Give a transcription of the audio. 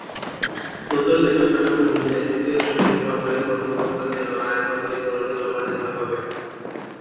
নতুন বেতনকাঠামো অনুযায়ী, দ্বিতীয় শ্রেণির সরকারি কর্মকর্তাদেরও আয়কর বিবরণী জমা দিতে হবে।